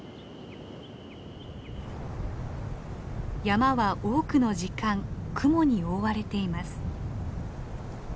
山は多くの時間雲に覆われています。